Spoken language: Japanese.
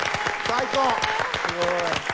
最高！